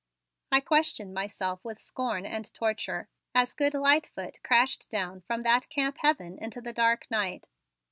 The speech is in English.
I questioned myself with scorn and torture, as good Lightfoot crashed down from that Camp Heaven into the dark night.